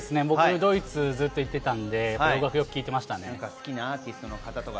ドイツにずっと行っていたので洋楽をよく聴いていました。